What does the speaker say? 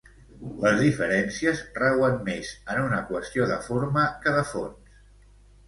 Les diferències rauen més en una qüestió de forma que de fons.